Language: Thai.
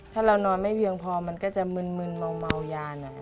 ถ้าเรานอนไม่เพียงพอมันก็จะมึนเมายาหน่อย